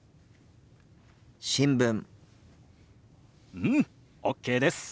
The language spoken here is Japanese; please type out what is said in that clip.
うん！ＯＫです。